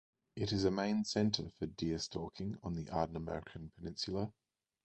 It is a main centre for deer stalking on the Ardnamurchan peninsula.